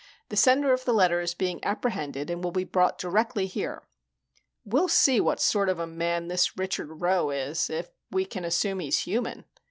"The sender of the letter is being apprehended and will be brought directly here. We'll see what sort of man this Richard Rowe is if we can assume he's human.